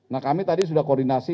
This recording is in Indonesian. nah kami tadi sudah koordinasi